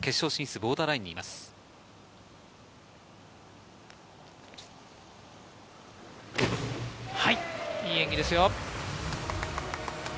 いい演技ですよ。